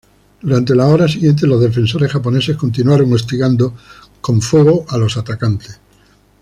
Durante las horas siguientes los defensores japoneses continuaron hostigando con fuego a los atacantes.